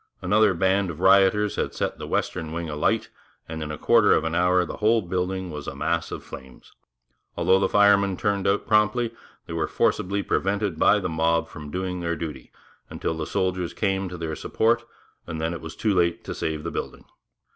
Another band of rioters had set the western wing alight, and, in a quarter of an hour, the whole building was a mass of flames. Although the firemen turned out promptly, they were forcibly prevented by the mob from doing their duty, until the soldiers came to their support, and then it was too late to save the building.